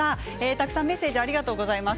たくさんメッセージありがとうございます。